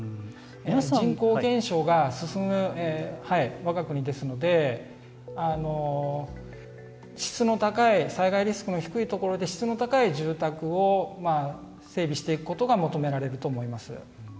人口減少が進む、わが国ですので災害リスクの低い所で質の高い住宅を整備していくことが求められると思います。